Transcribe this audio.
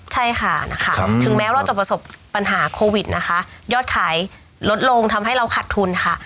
ใช่ค่ะนะคะถึงแม้เราจะประสบปัญหาโควิดนะคะยอดขายลดลงทำให้เราขัดทุนค่ะ